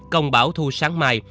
công bảo thu sáng mai